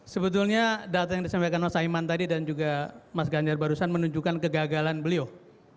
sebetulnya data yang disampaikan mas saiman tadi dan juga mas ganjar barusan menunjukkan kegagalan beliau